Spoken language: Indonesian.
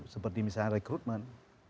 seperti misalnya rekrutmen